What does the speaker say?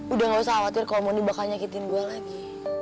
udah gak usah khawatir kalo mon dia bakal nyakitin gua lagi